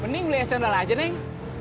mending beli es cendala aja neng